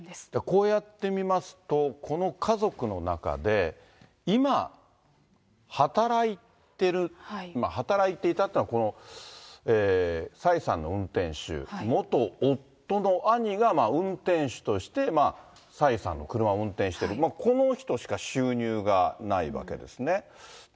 こうやって見ますと、この家族の中で今、働いてる、働いていたというのは、この蔡さんの運転手、元夫の兄が運転手として、蔡さんの車を運転してる、この人しか収入がないわけですね。